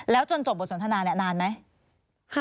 แล้วจนจบบทสนทนาเนี่ยนานไหม